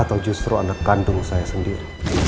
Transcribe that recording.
atau justru anak kandung saya sendiri